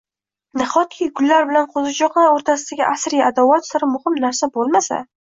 Nahotki gullar bilan qo‘zichoqlar o‘rtasidagi asriy adovat siri muhim narsa bo‘lmasa?